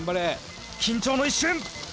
「緊張の一瞬！」